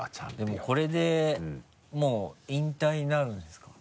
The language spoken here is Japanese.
でもこれでもう引退になるんですか？